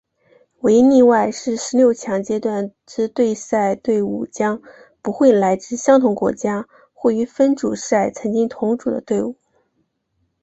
唯一例外是十六强阶段之对赛对伍将不会来自相同国家或于分组赛曾经同组的队伍。